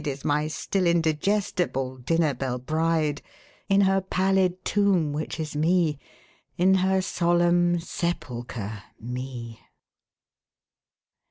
Is n^y still indigestible dinner belle bride, In her pallid tomb, which is Me, In her solemn sepulcher, Me.